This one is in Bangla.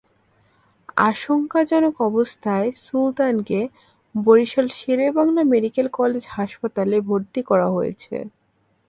আশঙ্কাজনক অবস্থায় সুলতানকে বরিশাল শেরেবাংলা মেডিকেল কলেজ হাসপাতালে ভর্তি করা হয়েছে।